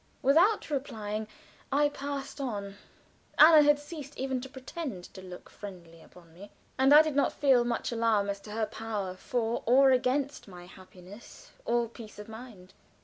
Without replying, I passed on. Anna had ceased even to pretend to look friendly upon me, and I did not feel much alarm as to her power for or against my happiness or peace of mind.